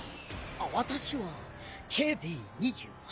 あわたしはＫＢ−２８。